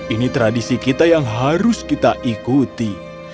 ini tradisi kita yang harus kita ikuti